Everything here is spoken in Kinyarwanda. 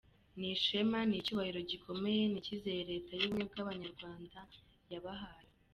Ni ishema, ni icyubahiro gikomeye, ni icyizere Leta y’ubumwe bw’abanyarwanda yabahaye.